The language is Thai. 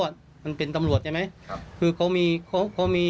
ก็เลยต้องรีบไปแจ้งให้ตรวจสอบคือตอนนี้ครอบครัวรู้สึกไม่ไกล